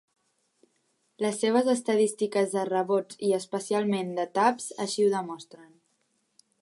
Les seves estadístiques de rebots i especialment de taps així ho demostren.